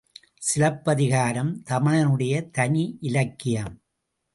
சிலப்பதிகாரம் தமிழனுடைய தனி இலக்கியம்.